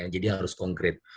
jadi harus konkret